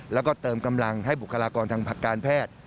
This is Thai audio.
แล้วก็เติมกำลังให้บุคลากรทางการแพทย์